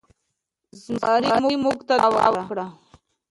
زمري موږک ته دعا وکړه.